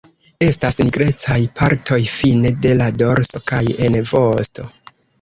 Estas nigrecaj partoj fine de la dorso kaj en vosto.